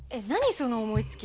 その思いつき。